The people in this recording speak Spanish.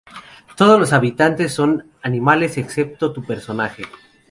Todos los habitantes son animales excepto tu personaje.